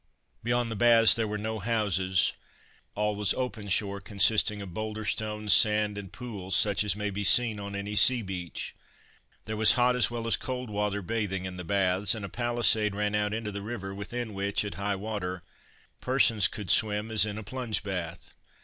Beyond the baths there were no houses, all was open shore consisting of boulder stones, sand, and pools, such as may be seen on any sea beach. There was hot as well as cold water bathing in the baths, and a palisade ran out into the river, within which, at high water, persons could swim, as in a plunge bath.